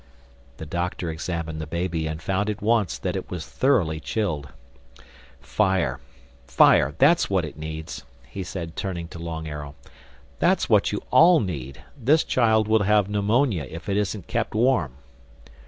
The Doctor examined the baby and found at once that it was thoroughly chilled. "Fire—fire! That's what it needs," he said turning to Long Arrow—"That's what you all need. This child will have pneumonia if it isn't kept warm."